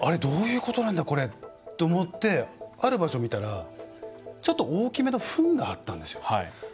どういうことなんだこれ？って思って、ある場所、見たらちょっと大きめのふんがあったんですよ。